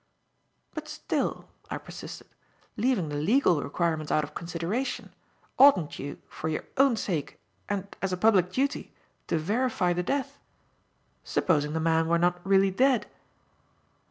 "But still," I persisted, "leaving the legal requirements out of consideration, oughtn't you for your own sake, and as a public duty, to verify the death? Supposing the man were not really dead?"